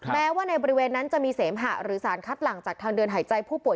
แม้ว่าในบริเวณนั้นจะมีเสมหะหรือสารคัดหลังจากทางเดินหายใจผู้ป่ว